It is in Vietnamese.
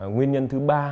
nguyên nhân thứ ba